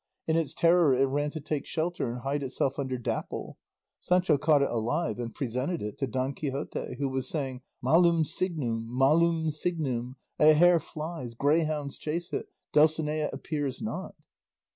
In its terror it ran to take shelter and hide itself under Dapple. Sancho caught it alive and presented it to Don Quixote, who was saying, "Malum signum, malum signum! a hare flies, greyhounds chase it, Dulcinea appears not."